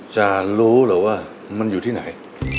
จะรู้เหรอว่ามันอยู่ที่ไหน